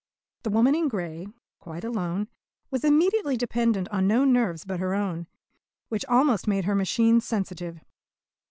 The woman in grey, quite alone, was immediately dependent on no nerves but her own, which almost made her machine sensitive.